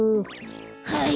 はい！